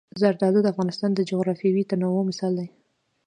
زردالو د افغانستان د جغرافیوي تنوع مثال دی.